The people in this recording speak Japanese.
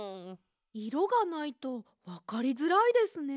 いろがないとわかりづらいですね。